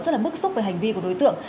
rất là bức xúc về hành vi của đối tượng